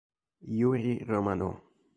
Yuri Romanò